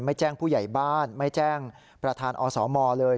แจ้งผู้ใหญ่บ้านไม่แจ้งประธานอสมเลย